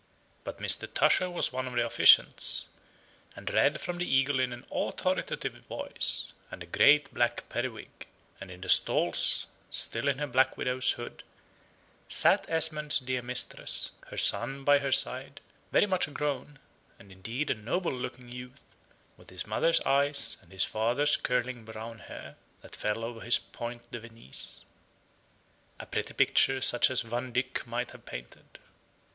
But Mr. Tusher was one of the officiants, and read from the eagle in an authoritative voice, and a great black periwig; and in the stalls, still in her black widow's hood, sat Esmond's dear mistress, her son by her side, very much grown, and indeed a noble looking youth, with his mother's eyes, and his father's curling brown hair, that fell over his point de Venise a pretty picture such as Van Dyck might have painted.